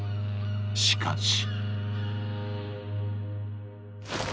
しかし。